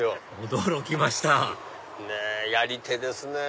驚きましたやり手ですね。